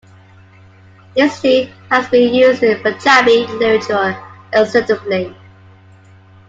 This tree has been used in Punjabi literature extensively.